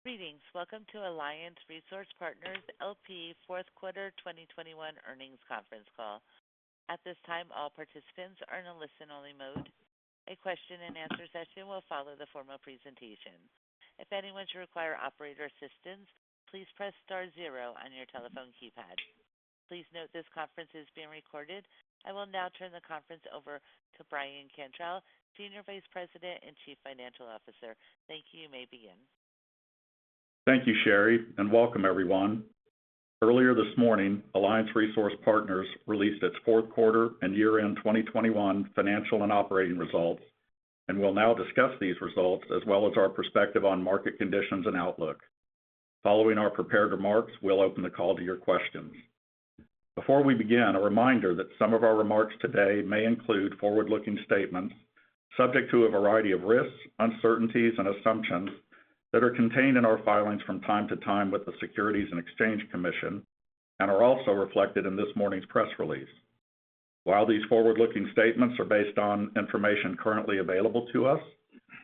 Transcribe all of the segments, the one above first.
Greetings. Welcome to Alliance Resource Partners, L.P. Q4 2021 earnings conference call. At this time, all participants are in a listen-only mode. A question-and-answer session will follow the formal presentation. If anyone should require operator assistance, please press star zero on your telephone keypad. Please note this conference is being recorded. I will now turn the conference over to Brian Cantrell, Senior Vice President and Chief Financial Officer. Thank you. You may begin. Thank you, Sherry, and welcome everyone. Earlier this morning, Alliance Resource Partners released its fourth quarter and year-end 2021 financial and operating results, and we'll now discuss these results as well as our perspective on market conditions and outlook. Following our prepared remarks, we'll open the call to your questions. Before we begin, a reminder that some of our remarks today may include forward-looking statements subject to a variety of risks, uncertainties, and assumptions that are contained in our filings from time to time with the Securities and Exchange Commission and are also reflected in this morning's press release. While these forward-looking statements are based on information currently available to us,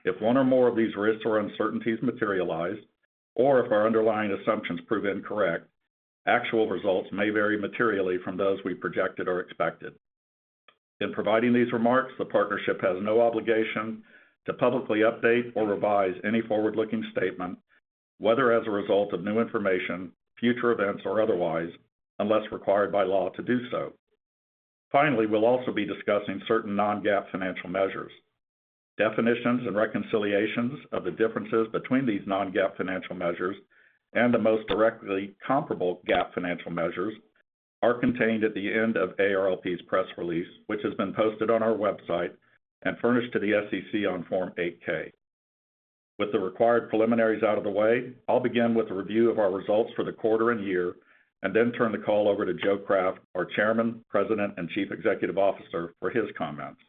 if one or more of these risks or uncertainties materialize, or if our underlying assumptions prove incorrect, actual results may vary materially from those we projected or expected. In providing these remarks, the partnership has no obligation to publicly update or revise any forward-looking statement, whether as a result of new information, future events, or otherwise, unless required by law to do so. Finally, we'll also be discussing certain non-GAAP financial measures. Definitions and reconciliations of the differences between these non-GAAP financial measures and the most directly comparable GAAP financial measures are contained at the end of ARLP's press release, which has been posted on our website and furnished to the SEC on Form 8-K. With the required preliminaries out of the way, I'll begin with a review of our results for the quarter and year, and then turn the call over to Joe Craft, our Chairman, President, and Chief Executive Officer, for his comments.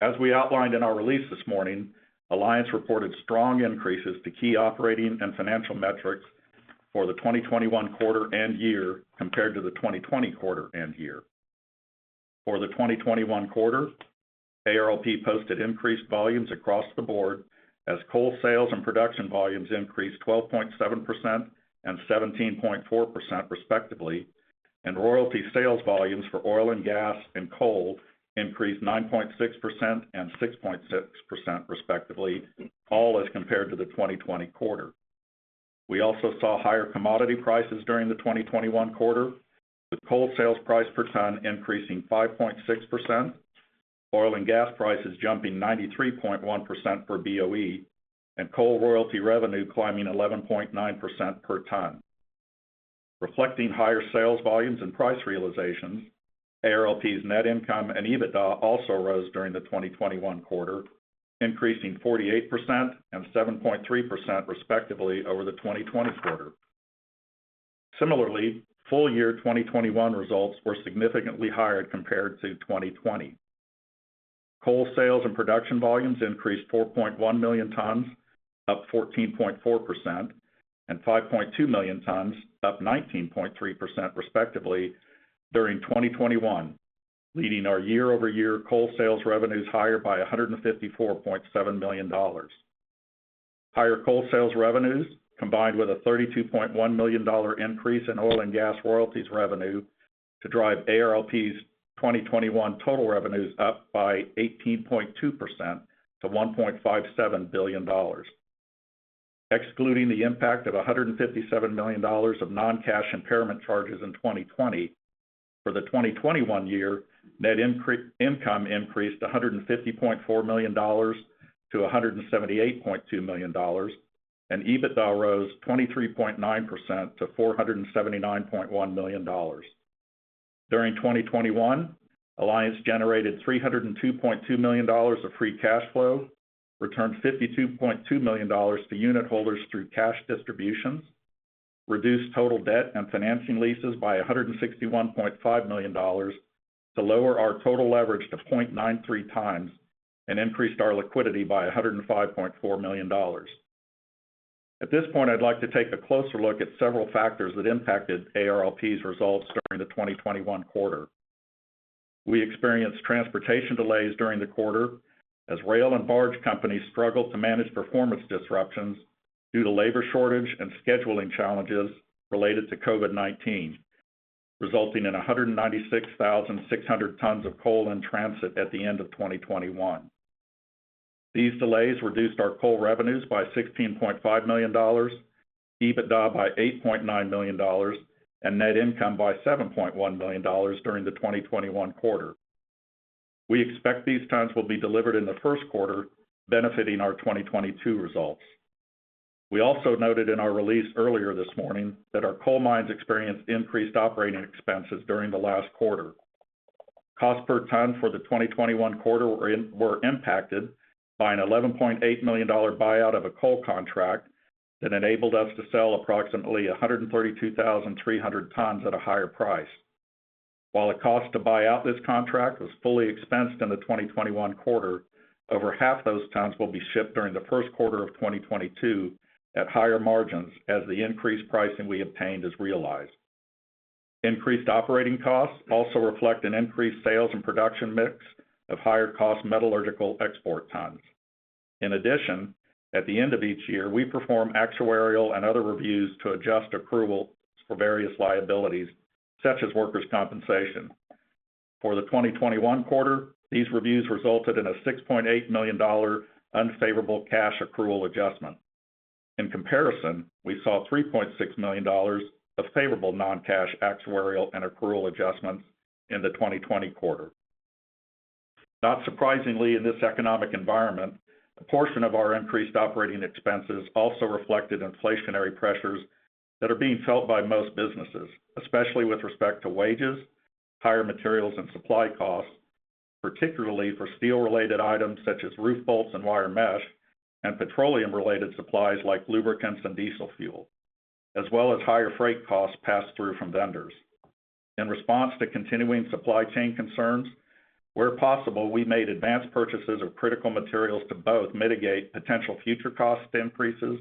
As we outlined in our release this morning, Alliance reported strong increases to key operating and financial metrics for the 2021 quarter and year compared to the 2020 quarter and year. For the 2021 quarter, ARLP posted increased volumes across the board as coal sales and production volumes increased 12.7% and 17.4%, respectively, and royalty sales volumes for oil and gas and coal increased 9.6% and 6.6%, respectively, all as compared to the 2020 quarter. We also saw higher commodity prices during the 2021 quarter, with coal sales price per ton increasing 5.6%, oil and gas prices jumping 93.1% per BOE, and coal royalty revenue climbing 11.9% per ton. Reflecting higher sales volumes and price realizations, ARLP's net income and EBITDA also rose during the 2021 quarter, increasing 48% and 7.3%, respectively, over the 2020 quarter. Similarly, full year 2021 results were significantly higher compared to 2020. Coal sales and production volumes increased 4.1 million tons, up 14.4%, and 5.2 million tons, up 19.3%, respectively, during 2021, leading our year-over-year coal sales revenues higher by $154.7 million. Higher coal sales revenues, combined with a $32.1 million increase in oil and gas royalties revenue to drive ARLP's 2021 total revenues up by 18.2% to $1.57 billion. Excluding the impact of $157 million of non-cash impairment charges in 2020, for the 2021 year, net income increased $150.4 million to $178.2 million, and EBITDA rose 23.9% to $479.1 million. During 2021, Alliance generated $302.2 million of free cash flow, returned $52.2 million to unit holders through cash distributions, reduced total debt and financing leases by $161.5 million to lower our total leverage to 0.93 times and increased our liquidity by $105.4 million. At this point, I'd like to take a closer look at several factors that impacted ARLP's results during the 2021 quarter. We experienced transportation delays during the quarter as rail and barge companies struggled to manage performance disruptions due to labor shortage and scheduling challenges related to COVID-19, resulting in 196,600 tons of coal in transit at the end of 2021. These delays reduced our coal revenues by $16.5 million, EBITDA by $8.9 million, and net income by $7.1 million during the 2021 quarter. We expect these tons will be delivered in the first quarter, benefiting our 2022 results. We also noted in our release earlier this morning that our coal mines experienced increased operating expenses during the last quarter. Cost per ton for the 2021 quarter were impacted by an $11.8 million buyout of a coal contract that enabled us to sell approximately 132,300 tons at a higher price. While the cost to buy out this contract was fully expensed in the 2021 quarter, over half those tons will be shipped during the first quarter of 2022 at higher margins as the increased pricing we obtained is realized. Increased operating costs also reflect an increased sales and production mix of higher cost metallurgical export tons. In addition, at the end of each year, we perform actuarial and other reviews to adjust accruals for various liabilities, such as workers' compensation. For the 2021 quarter, these reviews resulted in a $6.8 million unfavorable cash accrual adjustment. In comparison, we saw $3.6 million of favorable non-cash actuarial and accrual adjustments in the 2020 quarter. Not surprisingly in this economic environment, a portion of our increased operating expenses also reflected inflationary pressures that are being felt by most businesses, especially with respect to wages, higher materials and supply costs, particularly for steel-related items such as roof bolts and wire mesh, and petroleum-related supplies like lubricants and diesel fuel, as well as higher freight costs passed through from vendors. In response to continuing supply chain concerns, where possible, we made advanced purchases of critical materials to both mitigate potential future cost increases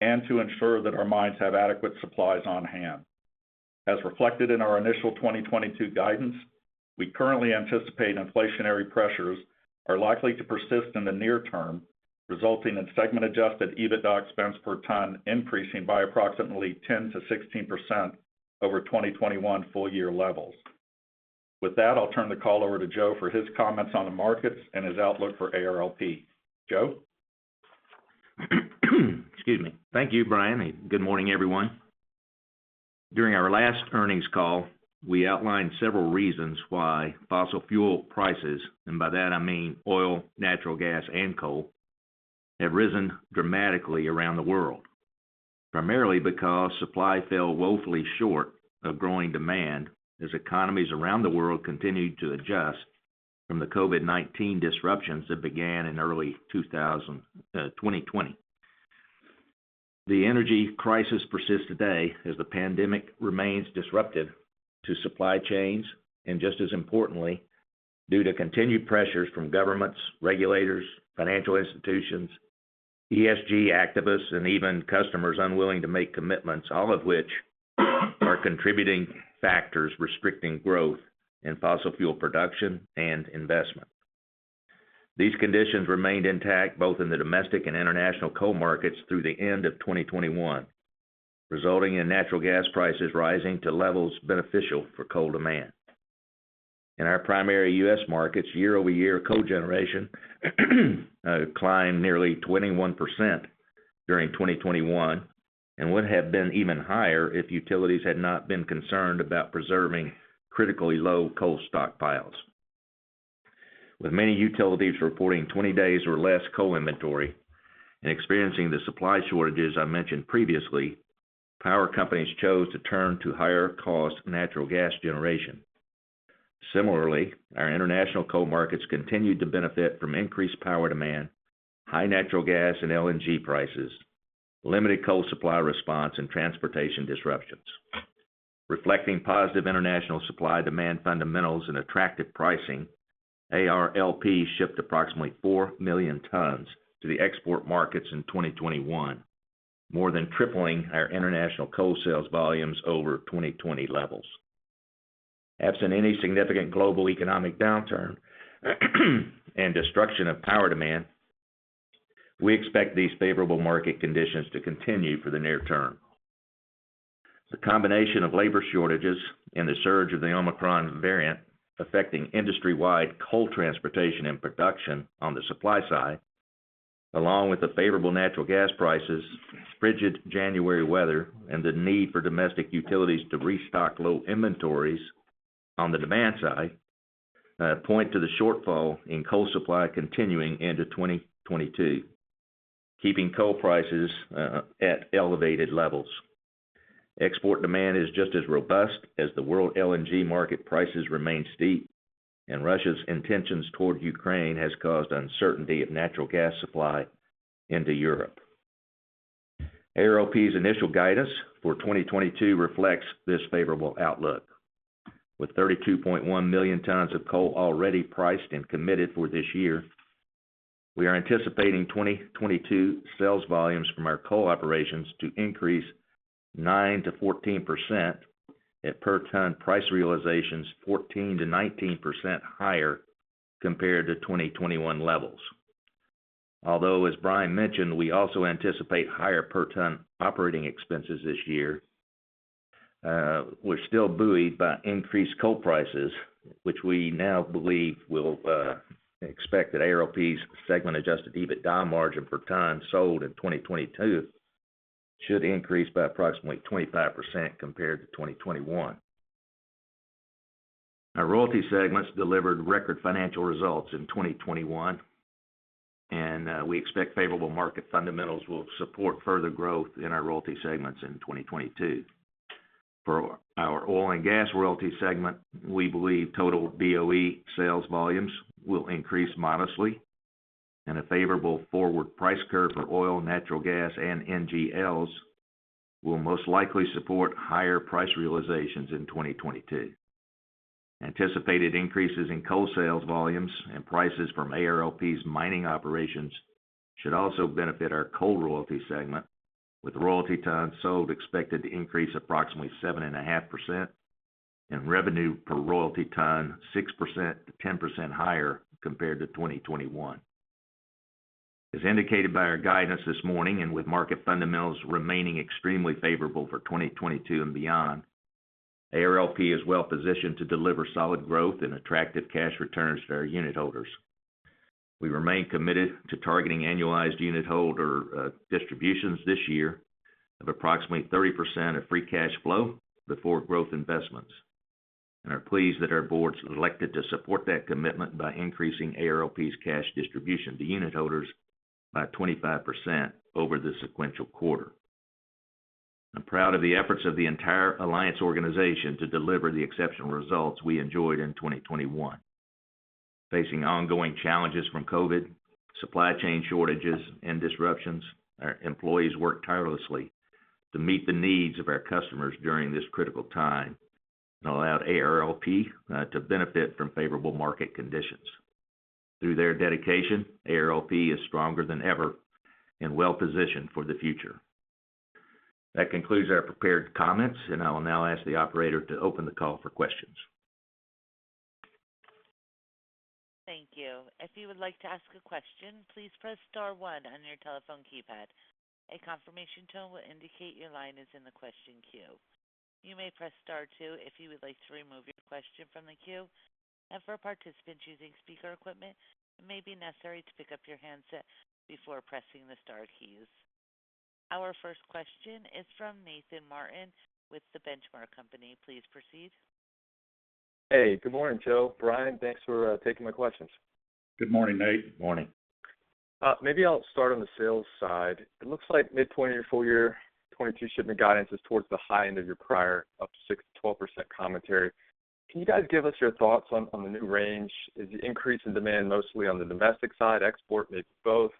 and to ensure that our mines have adequate supplies on hand. As reflected in our initial 2022 guidance, we currently anticipate inflationary pressures are likely to persist in the near term, resulting in segment adjusted EBITDA expense per ton increasing by approximately 10%-16% over 2021 full year levels. With that, I'll turn the call over to Joe for his comments on the markets and his outlook for ARLP. Joe? Excuse me. Thank you, Brian. Good morning, everyone. During our last earnings call, we outlined several reasons why fossil fuel prices, and by that I mean oil, natural gas, and coal, have risen dramatically around the world. Primarily because supply fell woefully short of growing demand as economies around the world continued to adjust from the COVID-19 disruptions that began in early 2020. The energy crisis persists today as the pandemic remains disruptive to supply chains, and just as importantly, due to continued pressures from governments, regulators, financial institutions, ESG activists, and even customers unwilling to make commitments, all of which are contributing factors restricting growth in fossil fuel production and investment. These conditions remained intact both in the domestic and international coal markets through the end of 2021, resulting in natural gas prices rising to levels beneficial for coal demand. In our primary U.S. markets, year-over-year coal generation climbed nearly 21% during 2021 and would have been even higher if utilities had not been concerned about preserving critically low coal stockpiles. With many utilities reporting 20 days or less coal inventory and experiencing the supply shortages I mentioned previously, power companies chose to turn to higher cost natural gas generation. Similarly, our international coal markets continued to benefit from increased power demand, high natural gas and LNG prices, limited coal supply response, and transportation disruptions. Reflecting positive international supply demand fundamentals and attractive pricing, ARLP shipped approximately 4 million tons to the export markets in 2021, more than tripling our international coal sales volumes over 2020 levels. Absent any significant global economic downturn and destruction of power demand, we expect these favorable market conditions to continue for the near term. The combination of labor shortages and the surge of the Omicron variant affecting industry-wide coal transportation and production on the supply side, along with the favorable natural gas prices, frigid January weather, and the need for domestic utilities to restock low inventories on the demand side, point to the shortfall in coal supply continuing into 2022, keeping coal prices at elevated levels. Export demand is just as robust as the world LNG market prices remain steep and Russia's intentions toward Ukraine has caused uncertainty of natural gas supply into Europe. ARLP's initial guidance for 2022 reflects this favorable outlook. With 32.1 million tons of coal already priced and committed for this year, we are anticipating 2022 sales volumes from our coal operations to increase 9%-14% at per ton price realizations 14%-19% higher compared to 2021 levels. Although, as Brian mentioned, we also anticipate higher per ton operating expenses this year, we're still buoyed by increased coal prices, which we now believe will expect that ARLP's segment adjusted EBITDA margin per ton sold in 2022 should increase by approximately 25% compared to 2021. Our royalty segments delivered record financial results in 2021, and we expect favorable market fundamentals will support further growth in our royalty segments in 2022. For our oil and gas royalty segment, we believe total BOE sales volumes will increase modestly and a favorable forward price curve for oil, natural gas, and NGLs will most likely support higher price realizations in 2022. Anticipated increases in coal sales volumes and prices from ARLP's mining operations should also benefit our coal royalty segment, with royalty tons sold expected to increase approximately 7.5% and revenue per royalty ton 6%-10% higher compared to 2021. As indicated by our guidance this morning and with market fundamentals remaining extremely favorable for 2022 and beyond, ARLP is well-positioned to deliver solid growth and attractive cash returns to our unitholders. We remain committed to targeting annualized unitholder distributions this year of approximately 30% of free cash flow before growth investments, and are pleased that our board's elected to support that commitment by increasing ARLP's cash distribution to unitholders by 25% over the sequential quarter. I'm proud of the efforts of the entire Alliance organization to deliver the exceptional results we enjoyed in 2021. Facing ongoing challenges from COVID, supply chain shortages and disruptions, our employees worked tirelessly to meet the needs of our customers during this critical time and allowed ARLP to benefit from favorable market conditions. Through their dedication, ARLP is stronger than ever and well-positioned for the future. That concludes our prepared comments, and I will now ask the operator to open the call for questions. Thank you. If you would like to ask a question, please press star one on your telephone keypad. A confirmation tone will indicate your line is in the question queue. You may press star two if you would like to remove your question from the queue. For participants using speaker equipment, it may be necessary to pick up your handset before pressing the star keys. Our first question is from Nathan Martin with The Benchmark Company. Please proceed. Hey, good morning, Joe, Brian. Thanks for taking my questions. Good morning, Nate. Morning. Maybe I'll start on the sales side. It looks like midpoint of your full year 2022 shipment guidance is towards the high end of your prior up 6%-12% commentary. Can you guys give us your thoughts on the new range? Is the increase in demand mostly on the domestic side, export, maybe both?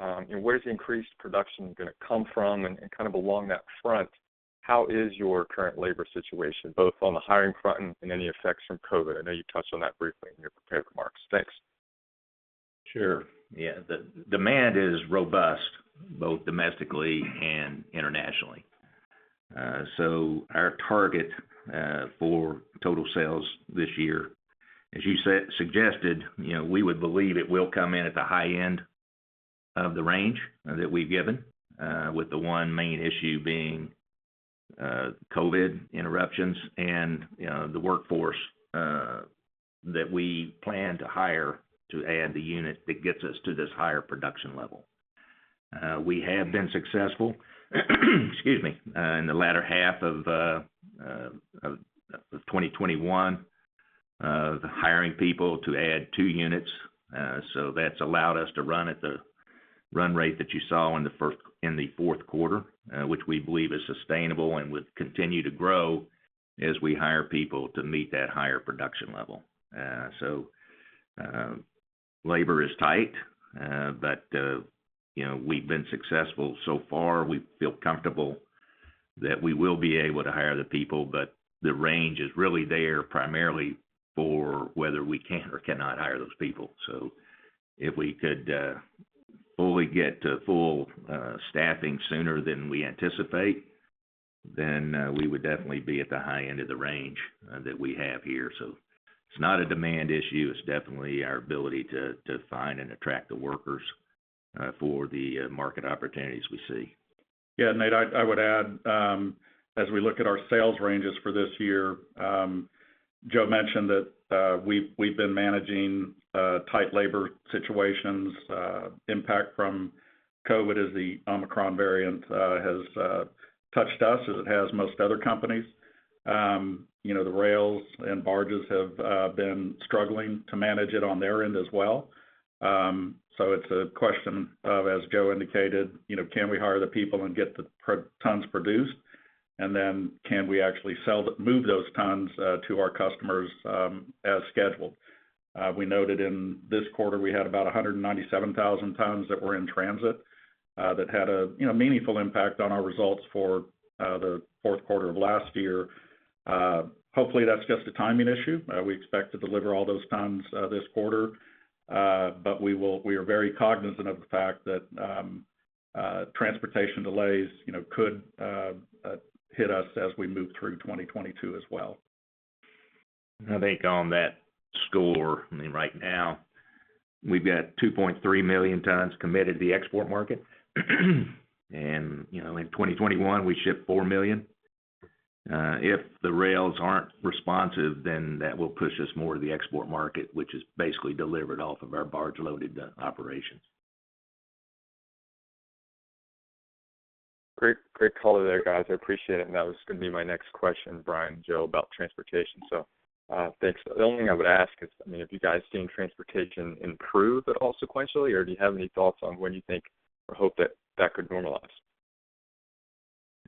And where's the increased production gonna come from? Kind of along that front, how is your current labor situation, both on the hiring front and any effects from COVID? I know you touched on that briefly in your prepared remarks. Thanks. Sure. Yeah. The demand is robust, both domestically and internationally. Our target for total sales this year, as you suggested, you know, we would believe it will come in at the high end of the range that we've given, with the one main issue being COVID interruptions and, you know, the workforce that we plan to hire to add the unit that gets us to this higher production level. We have been successful, excuse me, in the latter half of 2021, hiring people to add two units. That's allowed us to run at the run rate that you saw in the Q4, which we believe is sustainable and would continue to grow as we hire people to meet that higher production level. Labor is tight, but you know, we've been successful so far. We feel comfortable that we will be able to hire the people, but the range is really there primarily for whether we can or cannot hire those people. If we could fully get to full staffing sooner than we anticipate, then we would definitely be at the high end of the range that we have here. It's not a demand issue, it's definitely our ability to find and attract the workers for the market opportunities we see. Yeah, Nate, I would add, as we look at our sales ranges for this year, Joe mentioned that we've been managing tight labor situations. Impact from COVID as the Omicron variant has touched us as it has most other companies. You know, the rails and barges have been struggling to manage it on their end as well. So it's a question of, as Joe indicated, you know, can we hire the people and get the tons produced? And then can we actually move those tons to our customers as scheduled? We noted in this quarter we had about 197,000 tons that were in transit that had a meaningful impact on our results for the Q4 of last year. Hopefully that's just a timing issue. We expect to deliver all those tons this quarter. We are very cognizant of the fact that transportation delays, you know, could hit us as we move through 2022 as well. I think on that score, I mean, right now we've got 2.3 million tons committed to the export market. You know, in 2021, we shipped 4 million. If the rails aren't responsive, then that will push us more to the export market, which is basically delivered off of our barge loaded operations. Great. Great call there, guys. I appreciate it. That was gonna be my next question, Brian, Joe, about transportation. Thanks. The only thing I would ask is, I mean, have you guys seen transportation improve at all sequentially, or do you have any thoughts on when you think or hope that could normalize?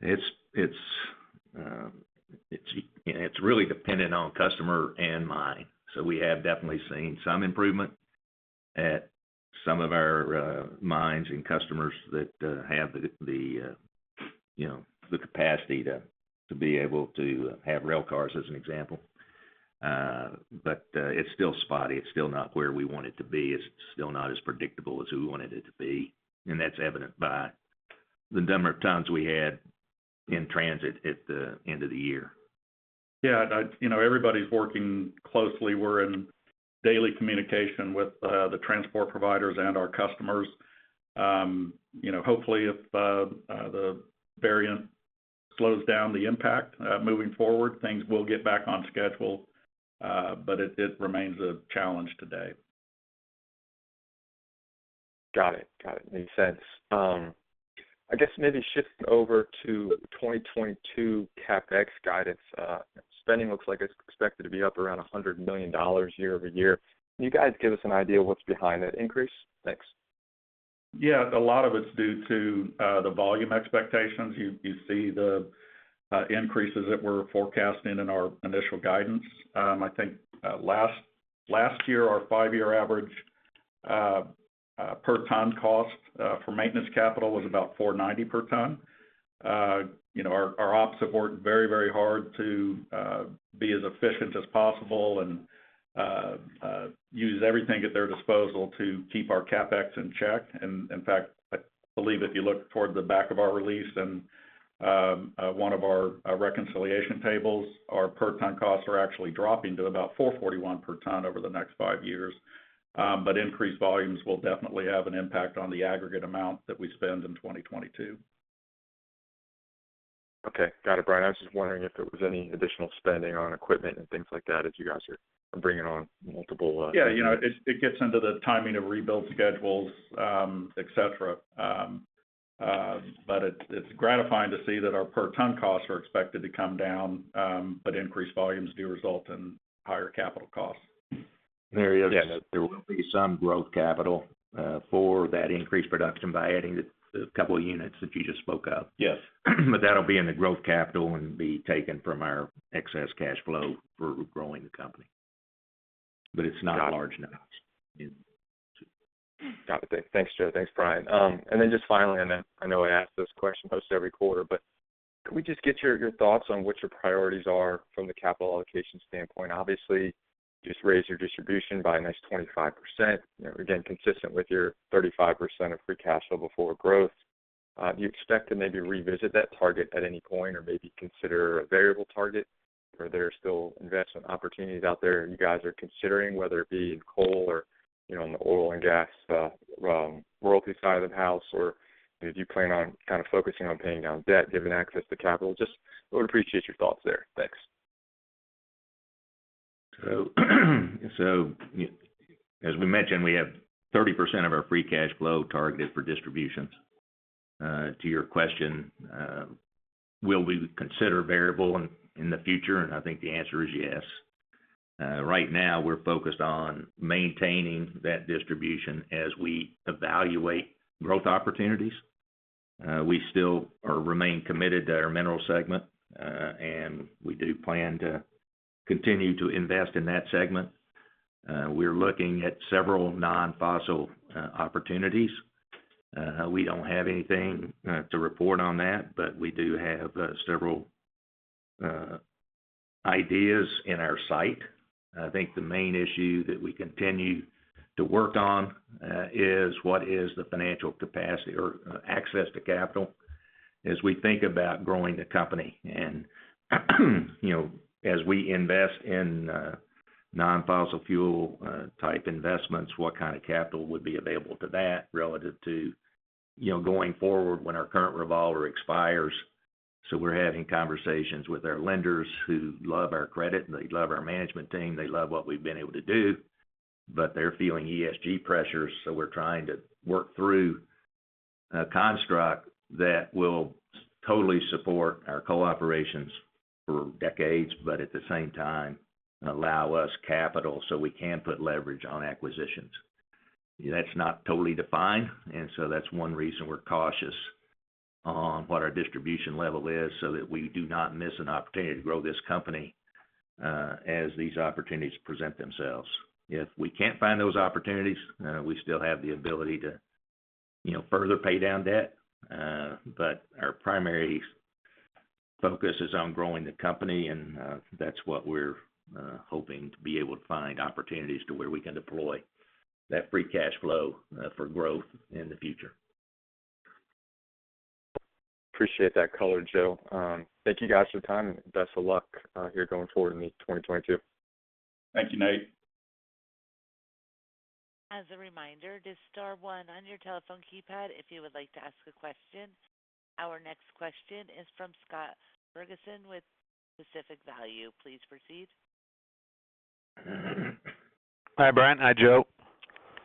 It's, you know, really dependent on customer and mine. We have definitely seen some improvement. At some of our mines and customers that have the, you know, the capacity to be able to have rail cars as an example. It's still spotty. It's still not where we want it to be. It's still not as predictable as we wanted it to be, and that's evident by the number of tons we had in transit at the end of the year. You know, everybody's working closely. We're in daily communication with the transport providers and our customers. You know, hopefully, if the variant slows down the impact moving forward, things will get back on schedule. It remains a challenge today. Got it. Makes sense. I guess maybe shifting over to 2022 CapEx guidance. Spending looks like it's expected to be up around $100 million year-over-year. Can you guys give us an idea what's behind that increase? Thanks. Yeah. A lot of it's due to the volume expectations. You see the increases that we're forecasting in our initial guidance. I think last year, our five-year average per ton cost for maintenance capital was about $4.90 per ton. You know, our ops have worked very, very hard to be as efficient as possible and use everything at their disposal to keep our CapEx in check. In fact, I believe if you look toward the back of our release and one of our reconciliation tables, our per ton costs are actually dropping to about $4.41 per ton over the next five years. Increased volumes will definitely have an impact on the aggregate amount that we spend in 2022. Okay. Got it, Brian. I was just wondering if there was any additional spending on equipment and things like that as you guys are bringing on multiple units. Yeah. You know, it gets into the timing of rebuild schedules, et cetera. It's gratifying to see that our per ton costs are expected to come down, but increased volumes do result in higher capital costs. And there is- Yes. There will be some growth capital for that increased production by adding the couple of units that you just spoke of. Yes. That'll be in the growth capital and be taken from our excess cash flow for growing the company. It's not large enough in two. Got it. Thanks, Joe. Thanks, Brian. Just finally on that, I know I ask this question most every quarter, but can we just get your thoughts on what your priorities are from the capital allocation standpoint? Obviously, you just raised your distribution by a nice 25%, you know, again, consistent with your 35% of free cash flow before growth. Do you expect to maybe revisit that target at any point or maybe consider a variable target? Are there still investment opportunities out there you guys are considering, whether it be in coal or, you know, on the oil and gas royalty side of the house? Or do you plan on kind of focusing on paying down debt, given access to capital? Just would appreciate your thoughts there. Thanks. As we mentioned, we have 30% of our free cash flow targeted for distributions. To your question, will we consider variable dividends in the future? I think the answer is yes. Right now we're focused on maintaining that distribution as we evaluate growth opportunities. We still remain committed to our minerals segment, and we do plan to continue to invest in that segment. We're looking at several non-fossil opportunities. We don't have anything to report on that, but we do have several ideas in our sights. I think the main issue that we continue to work on is what is the financial capacity or access to capital as we think about growing the company. You know, as we invest in non-fossil fuel type investments, what kind of capital would be available to that relative to, you know, going forward when our current revolver expires. We're having conversations with our lenders who love our credit, and they love our management team. They love what we've been able to do. They're feeling ESG pressures, so we're trying to work through a construct that will totally support our coal operations for decades, but at the same time allow us capital, so we can put leverage on acquisitions. That's not totally defined, and so that's one reason we're cautious on what our distribution level is so that we do not miss an opportunity to grow this company, as these opportunities present themselves. If we can't find those opportunities, we still have the ability to, you know, further pay down debt. Our primary focus is on growing the company, and that's what we're hoping to be able to find opportunities to where we can deploy that free cash flow for growth in the future. Appreciate that color, Joe. Thank you guys for your time, and best of luck here going forward in 2022. Thank you, Nate. As a reminder, just star one on your telephone keypad if you would like to ask a question. Our next question is from Scott Ferguson with Pacific Value. Please proceed. Hi, Brian. Hi, Joe.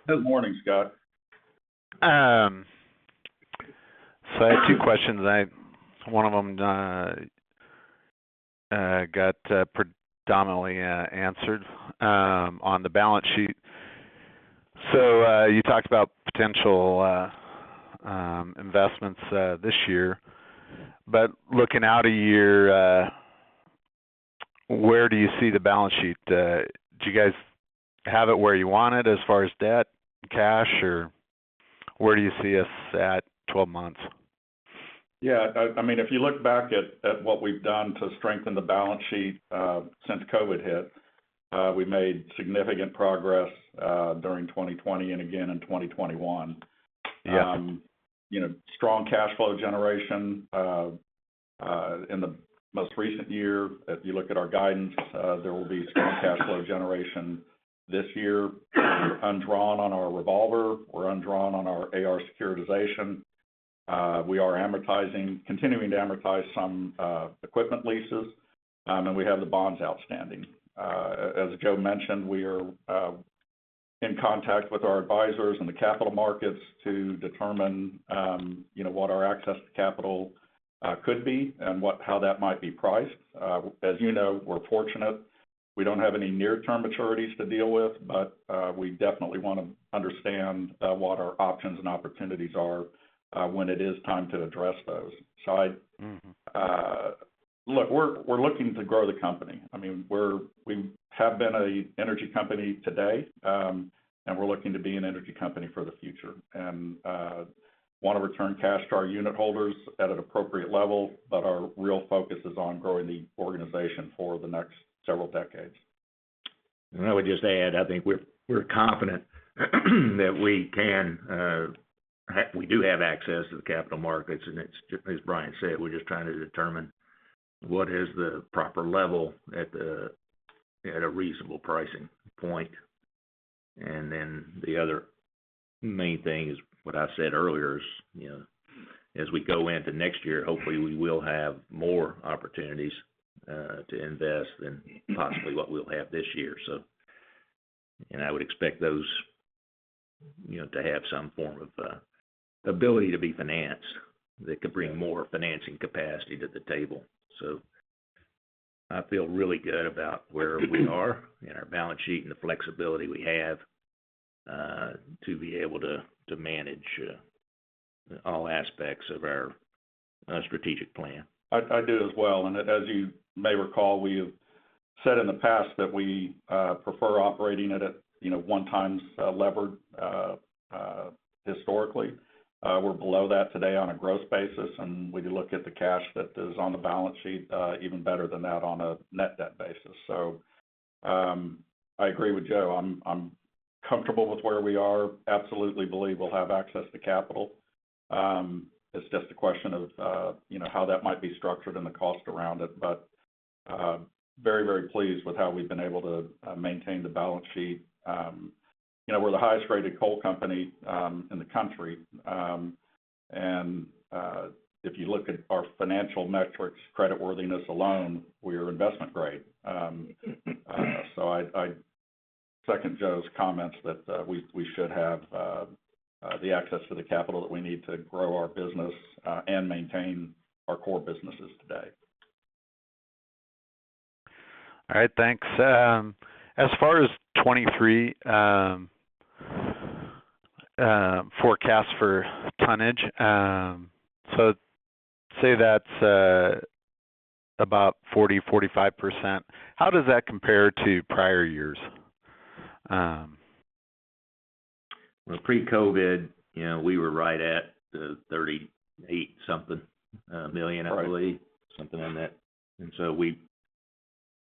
Good morning, Scott. I have two questions. One of them got predominantly answered on the balance sheet. You talked about potential investments this year. Looking out a year, where do you see the balance sheet? Do you guys have it where you want it as far as debt, cash, or where do you see us at 12 months? Yeah. I mean, if you look back at what we've done to strengthen the balance sheet since COVID hit, we made significant progress during 2020 and again in 2021. Yeah. You know, strong cash flow generation in the most recent year. If you look at our guidance, there will be strong cash flow generation this year. We're undrawn on our revolver. We're undrawn on our AR securitization. We are continuing to amortize some equipment leases, and we have the bonds outstanding. As Joe mentioned, we are in contact with our advisors in the capital markets to determine, you know, what our access to capital could be and how that might be priced. As you know, we're fortunate we don't have any near-term maturities to deal with, but we definitely want to understand what our options and opportunities are when it is time to address those. Mm-hmm. Look, we're looking to grow the company. I mean, we have been an energy company today, and we're looking to be an energy company for the future. We want to return cash to our unit holders at an appropriate level, but our real focus is on growing the organization for the next several decades. I would just add, I think we're confident that we can, we do have access to the capital markets, and it's, as Brian said, we're just trying to determine what is the proper level at a reasonable pricing point. Then the other main thing is, what I said earlier is, you know, as we go into next year, hopefully we will have more opportunities to invest than possibly what we'll have this year. I would expect those, you know, to have some form of ability to be financed that could bring more financing capacity to the table. I feel really good about where we are in our balance sheet and the flexibility we have to be able to manage all aspects of our strategic plan. I do as well. As you may recall, we've said in the past that we prefer operating it at, you know, 1x leverage historically. We're below that today on a gross basis, and when you look at the cash that is on the balance sheet, even better than that on a net debt basis. I agree with Joe. I'm comfortable with where we are. I absolutely believe we'll have access to capital. It's just a question of, you know, how that might be structured and the cost around it. Very pleased with how we've been able to maintain the balance sheet. You know, we're the highest rated coal company in the country. If you look at our financial metrics, creditworthiness alone, we are investment grade. I second Joe's comments that we should have the access to the capital that we need to grow our business and maintain our core businesses today. All right. Thanks. As far as 2023 forecast for tonnage, so say that's about 40%-45%, how does that compare to prior years? Well, pre-COVID, you know, we were right at the $38-something million annually. Right. Something like that.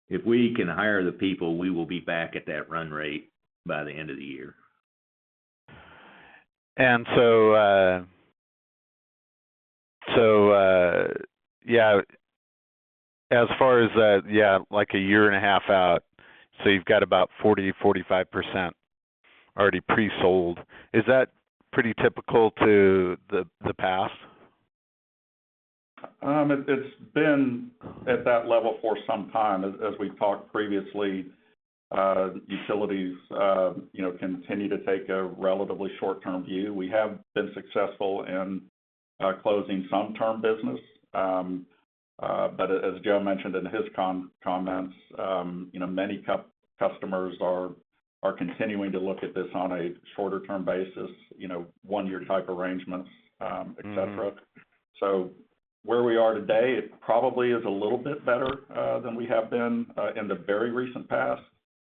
If we can hire the people, we will be back at that run rate by the end of the year. Yeah, as far as that, yeah, like a year and a half out, so you've got about 40%-45% already pre-sold. Is that pretty typical to the past? It's been at that level for some time. As we've talked previously, utilities, you know, continue to take a relatively short-term view. We have been successful in closing some term business. As Joe mentioned in his comments, you know, many customers are continuing to look at this on a shorter term basis, you know, one-year type arrangements, et cetera. Mm-hmm. Where we are today, it probably is a little bit better than we have been in the very recent past.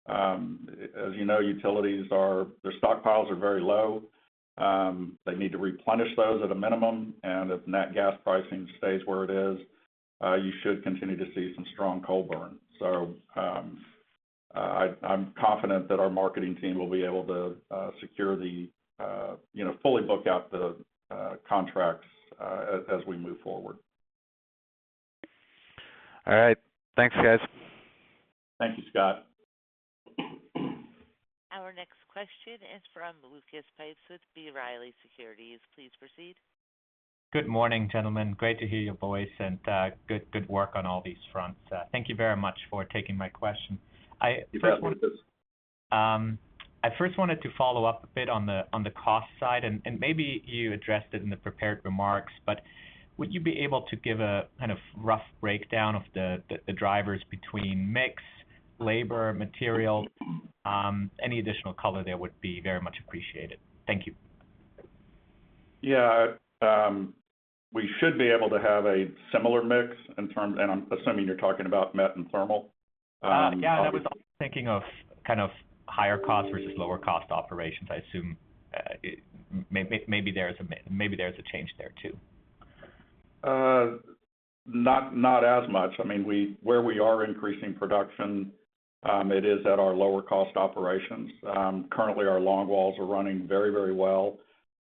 As you know, utilities' stockpiles are very low. They need to replenish those at a minimum, and if nat gas pricing stays where it is, you should continue to see some strong coal burn. I'm confident that our marketing team will be able to secure the, you know, fully book out the contracts as we move forward. All right. Thanks, guys. Thank you, Scott. Our next question is from Lucas Pipes with B. Riley Securities. Please proceed. Good morning, gentlemen. Great to hear your voice and good work on all these fronts. Thank you very much for taking my question. I at first wanted to. You bet, Lucas. I first wanted to follow up a bit on the cost side and maybe you addressed it in the prepared remarks, but would you be able to give a kind of rough breakdown of the drivers between mix, labor, material? Any additional color there would be very much appreciated. Thank you. Yeah. We should be able to have a similar mix in terms. I'm assuming you're talking about met and thermal? Yeah. I was also thinking of kind of higher cost versus lower cost operations. I assume maybe there's a change there too. Not as much. I mean, where we are increasing production, it is at our lower cost operations. Currently our longwalls are running very well.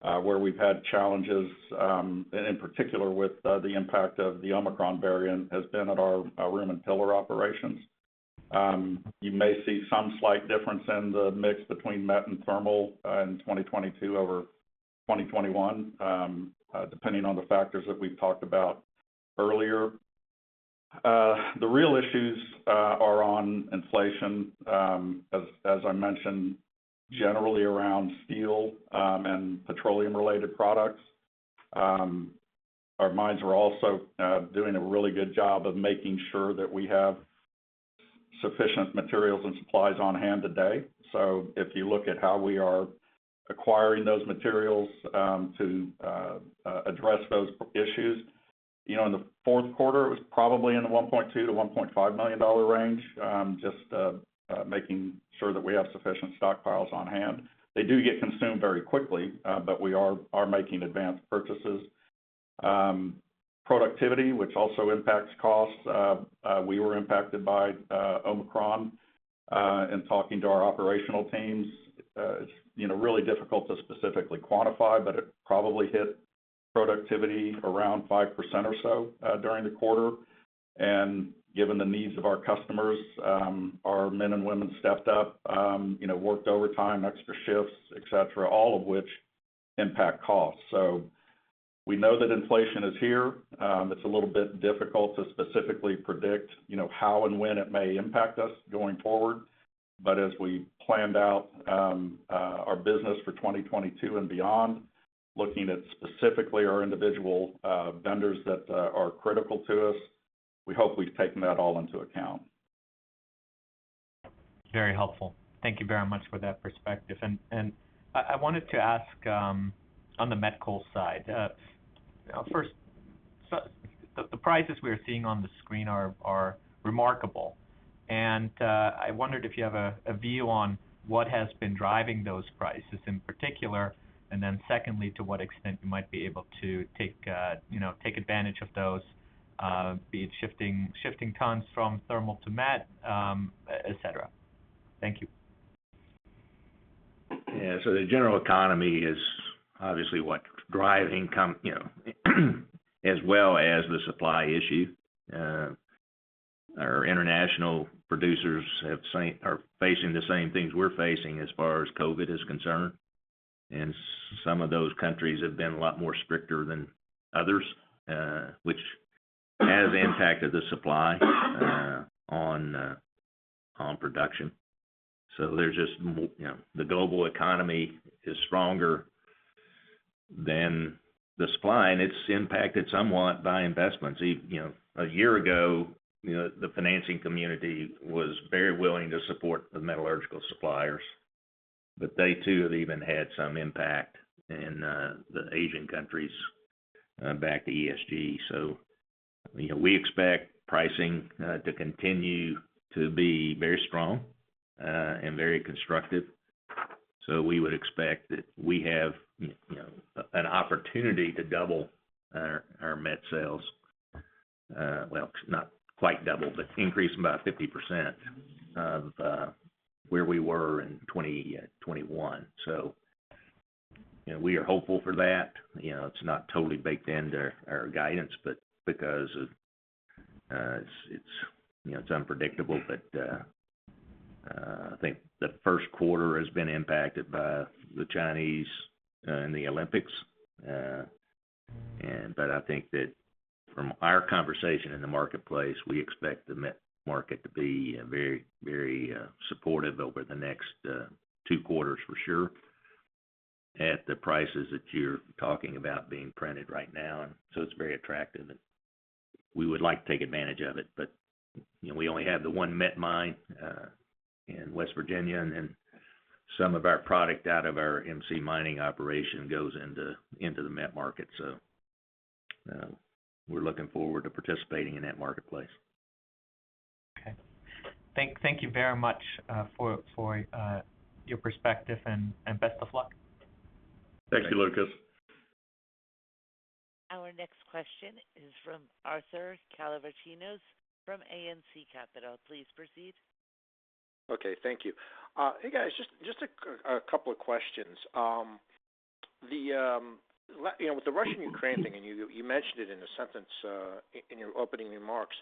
Where we've had challenges, and in particular with the impact of the Omicron variant, has been at our room and pillar operations. You may see some slight difference in the mix between met and thermal, in 2022 over 2021, depending on the factors that we've talked about earlier. The real issues are on inflation, as I mentioned, generally around steel and petroleum-related products. Our mines are also doing a really good job of making sure that we have sufficient materials and supplies on hand today. If you look at how we are acquiring those materials, to address those issues, you know, in the fourth quarter it was probably in the $1.2-$1.5 million range, just making sure that we have sufficient stockpiles on-hand. They do get consumed very quickly, but we are making advanced purchases. Productivity, which also impacts costs, we were impacted by Omicron. In talking to our operational teams, it's, you know, really difficult to specifically quantify, but it probably hit productivity around 5% or so during the quarter. Given the needs of our customers, our men and women stepped up, you know, worked overtime, extra shifts, et cetera, all of which impact costs. We know that inflation is here. It's a little bit difficult to specifically predict, you know, how and when it may impact us going forward. As we planned out our business for 2022 and beyond, looking at specifically our individual vendors that are critical to us, we hope we've taken that all into account. Very helpful. Thank you very much for that perspective. I wanted to ask, on the met coal side, first, so the prices we're seeing on the screen are remarkable. I wondered if you have a view on what has been driving those prices in particular, and then secondly, to what extent you might be able to take, you know, take advantage of those, be it shifting tons from thermal to met, et cetera. Thank you. Yeah. The general economy is obviously what drives income, you know, as well as the supply issue. Our international producers are facing the same things we're facing as far as COVID is concerned, and some of those countries have been a lot more stricter than others, which has impacted the supply on production. You know, the global economy is stronger than the supply, and it's impacted somewhat by investments. You know, a year ago, you know, the financing community was very willing to support the metallurgical suppliers, but they too have even had some impact in the Asian countries, back to ESG. You know, we expect pricing to continue to be very strong and very constructive. We would expect that we have, you know, an opportunity to double our met sales. Well, not quite double, but increase them by 50% of where we were in 2021. You know, we are hopeful for that. You know, it's not totally baked into our guidance, but because it's unpredictable. I think the Q1 has been impacted by China and the Olympics. I think that from our conversation in the marketplace, we expect the met market to be very, very supportive over the next 2 quarters for sure at the prices that you're talking about being printed right now. It's very attractive and we would like to take advantage of it. You know, we only have the one met mine in West Virginia, and then some of our product out of our MC Mining operation goes into the met market. We're looking forward to participating in that marketplace. Okay. Thank you very much for your perspective and best of luck. Thank you, Lucas. Our next question is from Arthur Calavritinos from ANC Capital. Please proceed. Okay. Thank you. Hey, guys. Just a couple of questions. You know, with the Russia and Ukraine thing, and you mentioned it in a sentence in your opening remarks.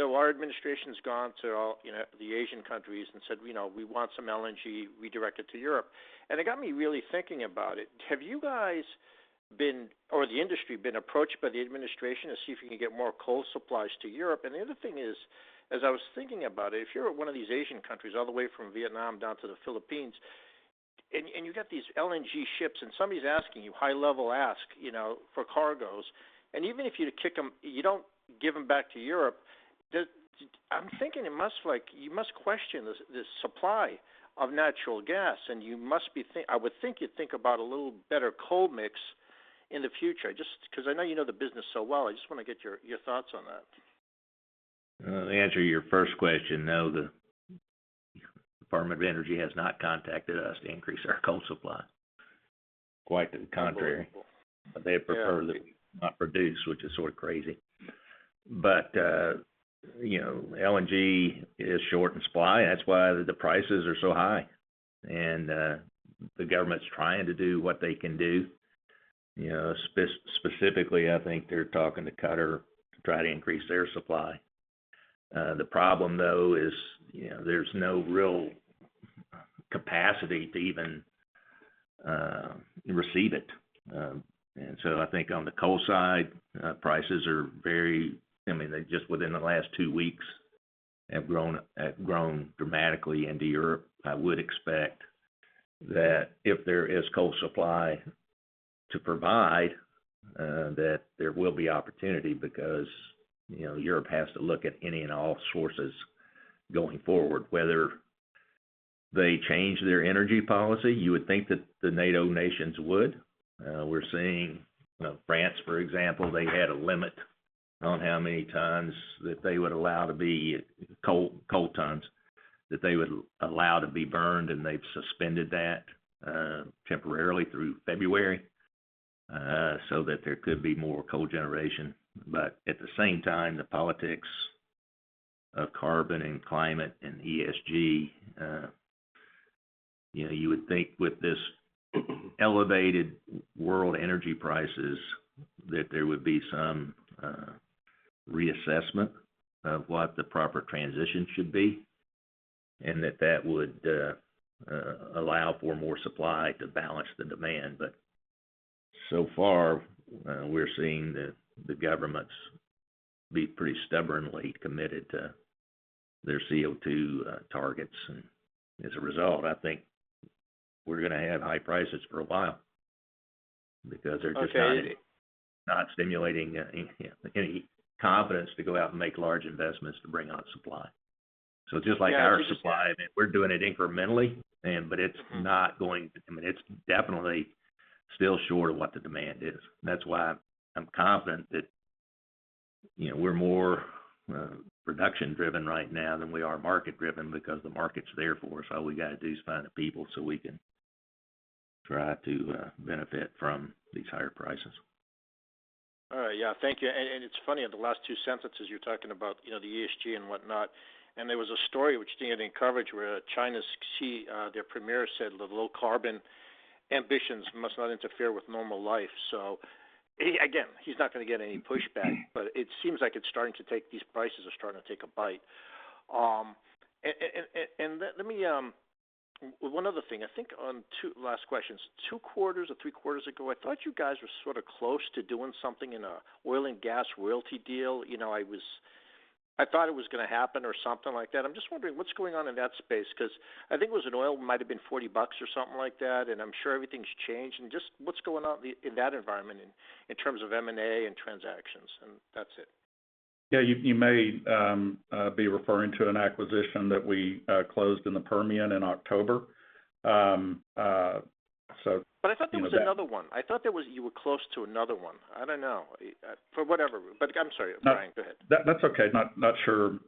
Our administration's gone to all, you know, the Asian countries and said, "You know, we want some LNG redirected to Europe." It got me really thinking about it. Have you guys or the industry been approached by the administration to see if you can get more coal supplies to Europe? The other thing is, as I was thinking about it, if you're one of these Asian countries all the way from Vietnam down to the Philippines, and you've got these LNG ships and somebody's asking you, high-level ask, you know, for cargos, and even if you don't give them back to Europe, I'm thinking you must question the supply of natural gas, and you must think, I would think you'd think about a little better coal mix in the future just 'cause I know you know the business so well, I just wanna get your thoughts on that. To answer your first question, no, the Department of Energy has not contacted us to increase our coal supply. Quite to the contrary. They prefer that we not produce, which is sort of crazy. You know, LNG is short in supply. That's why the prices are so high. The government's trying to do what they can do. You know, specifically, I think they're talking to Qatar to try to increase their supply. The problem, though, is, you know, there's no real capacity to even receive it. I think on the coal side, prices are very. I mean, they just within the last two weeks have grown dramatically into Europe. I would expect that if there is coal supply to provide, that there will be opportunity because, you know, Europe has to look at any and all sources going forward, whether they change their energy policy. You would think that the NATO nations would. We're seeing, you know, France, for example, they had a limit on how many coal tons that they would allow to be burned, and they've suspended that temporarily through February, so that there could be more coal generation. But at the same time, the politics of carbon and climate and ESG, you know, you would think with this elevated world energy prices that there would be some reassessment of what the proper transition should be, and that would allow for more supply to balance the demand. So far, we're seeing the governments be pretty stubbornly committed to their CO2 targets. As a result, I think we're gonna have high prices for a while because they're just not. Okay. Not stimulating any confidence to go out and make large investments to bring on supply. Just like our supply, I mean, we're doing it incrementally, but it's not going, I mean, it's definitely still short of what the demand is. That's why I'm confident that, you know, we're more production-driven right now than we are market-driven because the market's there for us. All we gotta do is find the people so we can try to benefit from these higher prices. All right. Yeah. Thank you. It's funny, in the last two sentences, you're talking about, you know, the ESG and whatnot. There was a story which didn't get any coverage, where China's Xi, their premier, said the low carbon ambitions must not interfere with normal life. He again, he's not gonna get any pushback, but it seems like these prices are starting to take a bite. Let me one other thing. I think on two last questions. two quarters or three quarters ago, I thought you guys were sort of close to doing something in an oil and gas royalty deal. You know, I thought it was gonna happen or something like that. I'm just wondering what's going on in that space? 'Cause I think it was an oil, might have been $40 or something like that, and I'm sure everything's changed. Just what's going on in that environment in terms of M&A and transactions, and that's it. Yeah. You may be referring to an acquisition that we closed in the Permian in October. You know, that- I thought there was another one. I thought there was, you were close to another one. I don't know. Again, I'm sorry, Brian, go ahead. That's okay. Not sure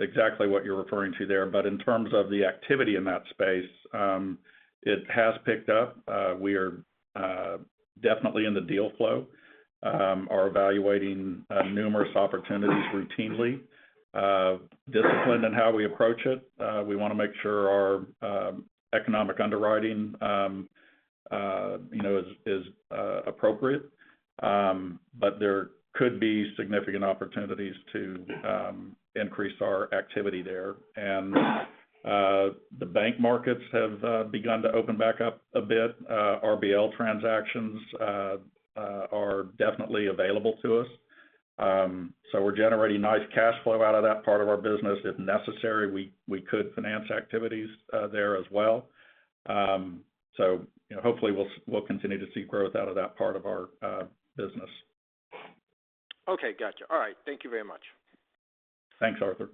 exactly what you're referring to there. In terms of the activity in that space, it has picked up. We are definitely in the deal flow, are evaluating numerous opportunities routinely. Disciplined in how we approach it. We wanna make sure our economic underwriting, you know, is appropriate. There could be significant opportunities to increase our activity there. The bank markets have begun to open back up a bit. RBL transactions are definitely available to us. So we're generating nice cash flow out of that part of our business. If necessary, we could finance activities there as well. You know, hopefully we'll continue to see growth out of that part of our business. Okay. Gotcha. All right. Thank you very much. Thanks, Arthur.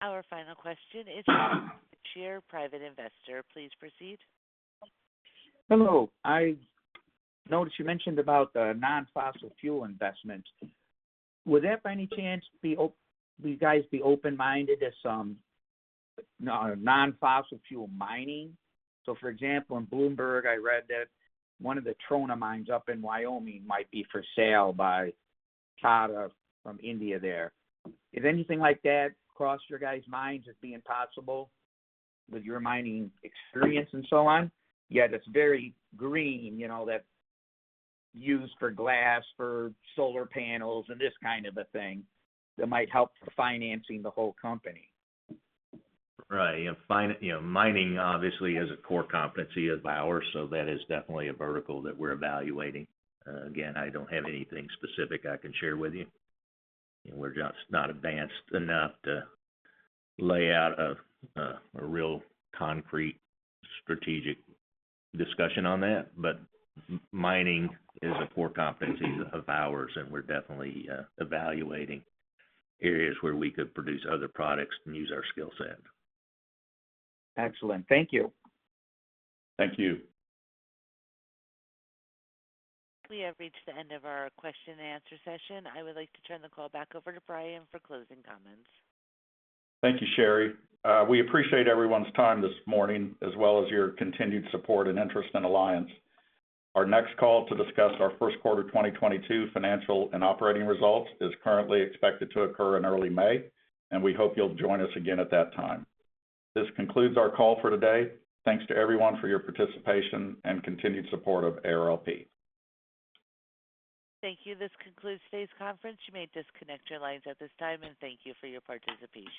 Our final question is from Chair Private Investor. Please proceed. Hello. I noticed you mentioned about the non-fossil fuel investment. Would that, by any chance, be you guys open-minded to some non-fossil fuel mining? For example, in Bloomberg, I read that one of the trona mines up in Wyoming might be for sale by Tata from India there. Has anything like that crossed your guys' minds as being possible with your mining experience and so on? Yet it's very green, you know, that's used for glass, for solar panels and this kind of a thing that might help for financing the whole company. Right. You know, you know, mining obviously is a core competency of ours, so that is definitely a vertical that we're evaluating. Again, I don't have anything specific I can share with you. We're just not advanced enough to lay out a real concrete strategic discussion on that. Mining is a core competency of ours, and we're definitely evaluating areas where we could produce other products and use our skill set. Excellent. Thank you. Thank you. We have reached the end of our question and answer session. I would like to turn the call back over to Brian for closing comments. Thank you, Sherry. We appreciate everyone's time this morning, as well as your continued support and interest in Alliance. Our next call to discuss our first quarter 2022 financial and operating results is currently expected to occur in early May, and we hope you'll join us again at that time. This concludes our call for today. Thanks to everyone for your participation and continued support of ARLP. Thank you. This concludes today's conference. You may disconnect your lines at this time, and thank you for your participation.